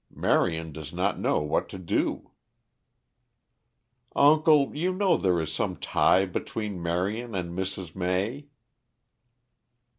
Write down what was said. Marion does not know what to do." "Uncle, you know there is some tie between Marion and Mrs. May."